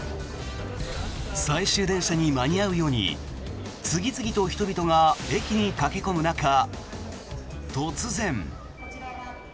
最終電車に間に合うように次々と人々が駅に駆け込む中突然。